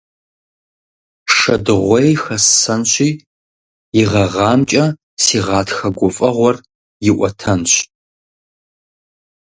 Шэдыгъуей хэссэнщи, и гъэгъамкӀэ си гъатхэ гуфӀэгъуэр иӀуэтэнщ.